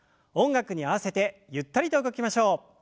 音楽に合わせてゆったりと動きましょう。